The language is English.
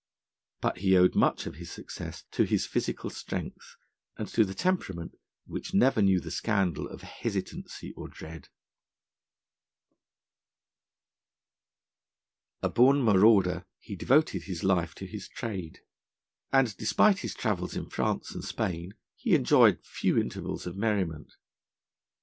But he owed much of his success to his physical strength, and to the temperament, which never knew the scandal of hesitancy or dread. A born marauder, he devoted his life to his trade; and, despite his travels in France and Spain, he enjoyed few intervals of merriment.